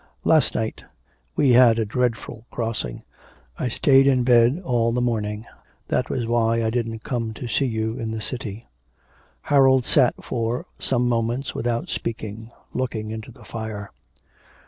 'Last night. We had a dreadful crossing, I stayed in bed all the morning. That was why I didn't come to see you in the city.' Harold sat for some moments without speaking, looking into the fire.